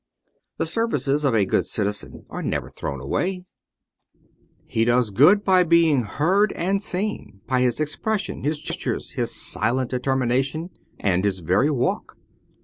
The services of a good citizen are never thrown away : he does good by being heard and seen, by his expression, his gestures, his silent determination, and his very walk.